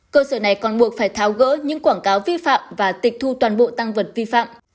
cơ sở này còn buộc phải tháo gỡ những quảng cáo vi phạm và tịch thu toàn bộ tăng vật vi phạm